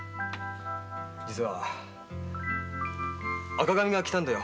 実は赤紙が来たんだよ